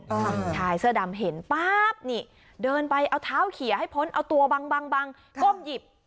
ชายเสื้อดำเห็นป๊าบนี่เดินไปเอาเท้าเขียให้พ้นเอาตัวบังบังบังก้มหยิบ